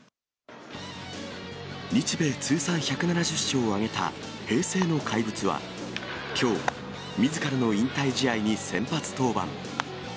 日米通算１７０勝を挙げた平成の怪物は、きょう、みずからの引退試合に先発登板。